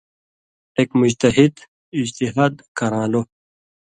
ایک مُجتہِد (اجتہاد کران٘لو)